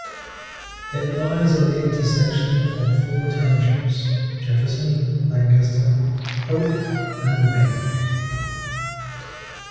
It lies at the intersection of four townships: Jefferson, Lancaster, Polk and Wayne.